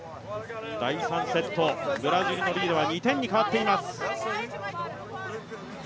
第３セット、ブラジルのリードは２点に変わっています。